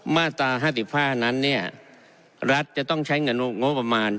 มาตรา๕๕นั้นเนี่ยรัฐจะต้องใช้เงินงบประมาณ